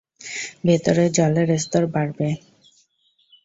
ভেতরে জলের স্তর বাড়বে।